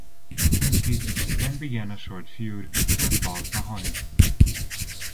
Snitsky then began a short feud with Balls Mahoney.